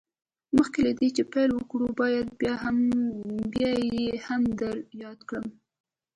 مخکې له دې چې پيل وکړو بايد بيا يې هم در ياده کړم.